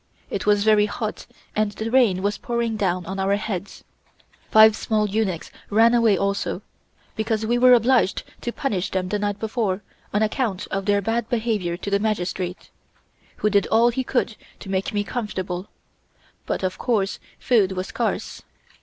It was very hot, and the rain was pouring down on our heads. Five small eunuchs ran away also, because we were obliged to punish them the night before on account of their bad behavior to the Magistrate, who did all he could to make me comfortable, but of course food was scarce.